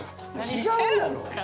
違うやろ！